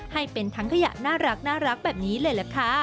ให้เป็นทั้งขยะน่ารักแบบนี้เลยล่ะค่ะ